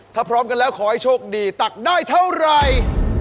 ถ้าพร้อมกันแล้วขอให้โชคดีตักได้เท่าไหร่